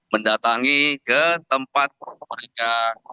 mendatangi ke tempat mereka